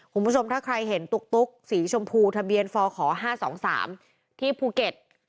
คุณผู้ชมถ้าใครเห็นตุ๊กสีชมพูทะเบียนฟข๕๒๓ที่ภูเก็ต